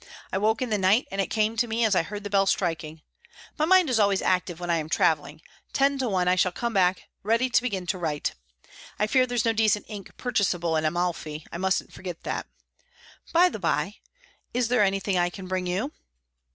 "I woke in the night, and it came to me as I heard the bell striking. My mind is always active when I am travelling; ten to one I shall come back ready to begin to write. I fear there's no decent ink purchasable in Amalfi; I mustn't forget that. By the bye, is there anything I can bring you?"